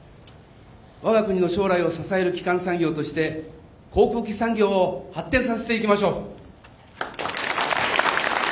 我が国の将来を支える基幹産業として航空機産業を発展させていきましょう。